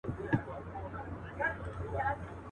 بیا یې مات سول تماشې ته ډېر وګړي.